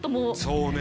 そうね。